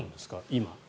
今。